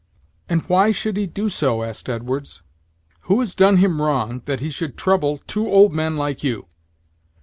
"And why should he do so?" asked Edwards; "who has done him wrong, that he should trouble two old men like you?"